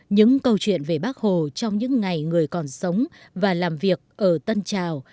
những câu chuyện về bác hồ trong những ngày người còn sống và làm việc ở tân trào